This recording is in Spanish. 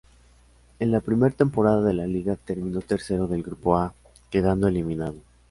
En la primer temporada de la liga, terminó tercero del grupo A, quedando eliminado.